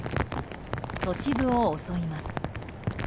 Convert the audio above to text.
都市部を襲います。